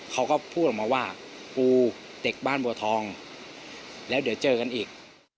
เขาก็พูดออกมาว่ากูเด็กบ้านบัวทองแล้วเดี๋ยวเจอกันอีก